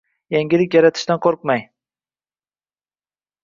Yangilik yaratishdan qo’rqmang